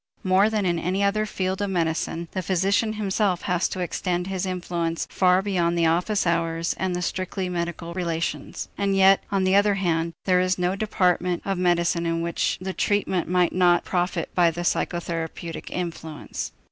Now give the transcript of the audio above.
More than in any other field of medicine, the physician himself has to extend his influence far beyond the office hours and the strictly medical relations. And yet, on the other hand, there is no department of medicine in which the treatment might not profit by the psychotherapeutic influence.